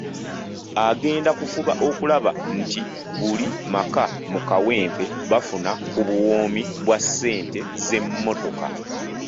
Agenda kufuba okulaba nti buli maka mu Kawempe bafuna ku buwoomi bwa ssente z’emmotoka.